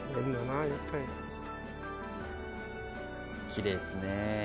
きれいですね。